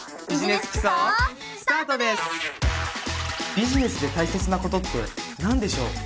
ビジネスで大切なことって何でしょう？